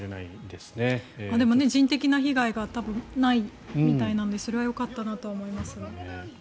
でも、人的な被害がないみたいなのでそれはよかったなと思います。